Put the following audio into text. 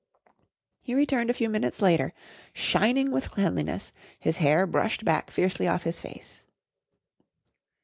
He returned a few minutes later, shining with cleanliness, his hair brushed back fiercely off his face.